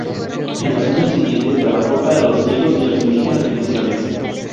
En los años siguientes trabajó para los ciegos y los indígenas de Misiones.